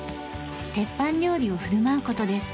鉄板料理を振る舞う事です。